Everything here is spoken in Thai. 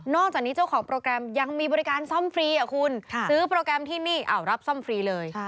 อกจากนี้เจ้าของโปรแกรมยังมีบริการซ่อมฟรีคุณซื้อโปรแกรมที่นี่รับซ่อมฟรีเลย